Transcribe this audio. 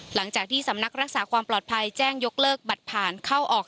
หลังจากที่สำนักรักษาความปลอดภัยแจ้งยกเลิกบัตรผ่านเข้าออก